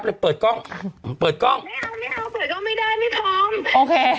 เลยเปิดกล้องเปิดกล้องไม่เอาไม่เอาเปิดกล้องไม่ได้ไม่พร้อมโอเค